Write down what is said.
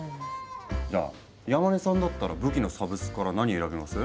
じゃあ山根さんだったら武器のサブスクから何選びます？